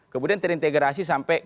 kemudian terintegrasi sampai